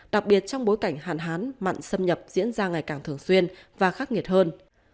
đặc biệt trong bối cảnh hạn hán mặn xâm nhập diễn ra ngày càng thường xuyên và khắc nghiệt hơn